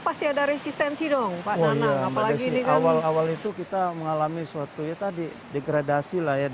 pasti ada resistensi dong pak nanang awal awal itu kita mengalami suatu ya tadi degradasi layak